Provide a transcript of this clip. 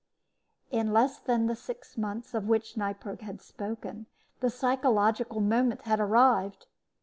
In less than the six months of which Neipperg had spoken the psychological moment had arrived.